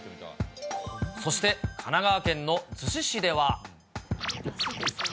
そして神奈川県の逗子市では。